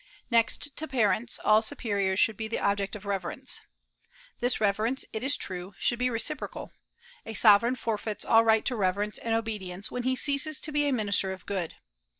Next to parents, all superiors should be the object of reverence. This reverence, it is true, should be reciprocal; a sovereign forfeits all right to reverence and obedience when he ceases to be a minister of good.